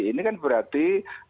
ini kan berarti